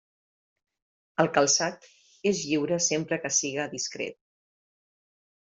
El calçat és lliure sempre que siga discret.